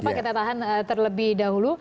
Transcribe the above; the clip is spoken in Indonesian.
pak kita tahan terlebih dahulu